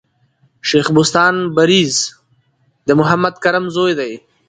شېخ بُستان بړیځ د محمد کرم زوی دﺉ.